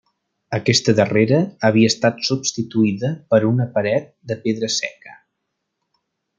Aquesta darrera havia estat substituïda per una paret de pedra seca.